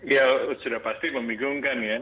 ya sudah pasti membingungkan ya